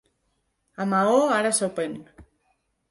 A Maó ara sopen.